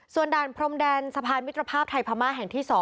ส่วนด่านพรมแดนสะพานมิตรภาพไทยพม่าแห่งที่๒